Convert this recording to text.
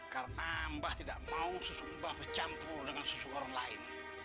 karena mbah tidak mau susu mbah bercampur dengan susu orang lain